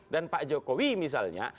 dan pak jokowi misalnya